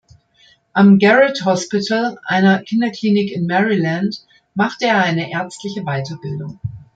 Am "Garrett Hospital", einer Kinderklinik in Maryland, machte er eine ärztliche Weiterbildung.